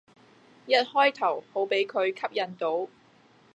一開頭好俾佢吸引到